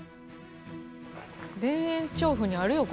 田園調布にあるよ